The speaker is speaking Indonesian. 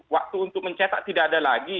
waktu untuk mencetak tidak ada lagi